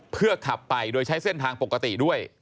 เพื่อขับไปโดยใช้เส้นทางปกติด้วย